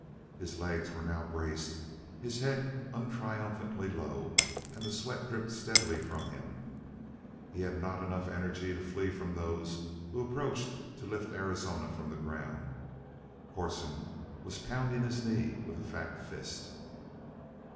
His legs were now braced, his head untriumphantly low, and the sweat dripped steadily from him. He had not enough energy to flee from those who approached to lift Arizona from the ground. Corson was pounding his knee with a fat fist.